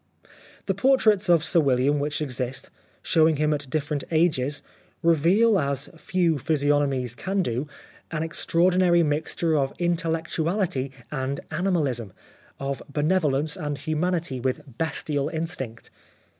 The portraits of Sir William which exist, showing him at different ages, reveal, as few physiognomies can do, an extraordinary mixture of intellectuality and animalism, of benevolence and humanity with bestial instinct.